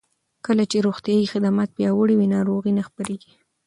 کله چې روغتیايي خدمات پیاوړي وي، ناروغۍ نه خپرېږي.